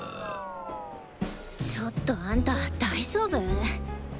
ちょっとあんた大丈夫？